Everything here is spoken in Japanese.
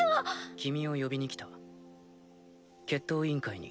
君を呼びに来た決闘委員会に。